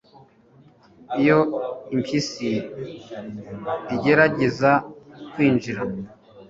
iyo impyisi igerageza kwinjira